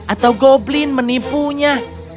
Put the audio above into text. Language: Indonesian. atau goblin menipunya